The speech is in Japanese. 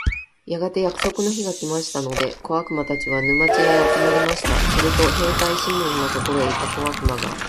やがて約束の日が来ましたので、小悪魔たちは、沼地へ集まりました。すると兵隊シモンのところへ行った小悪魔が、